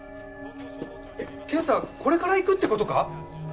えっ検査これから行くってことか？